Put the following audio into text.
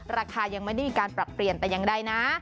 ราคายังไม่ได้มีการปรับเปลี่ยนแต่อย่างใดนะ